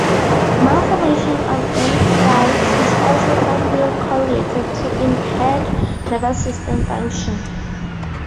Malformation of dendrites is also tightly correlated to impaired nervous system function.